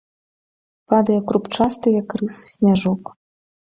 Падае крупчасты, як рыс, сняжок.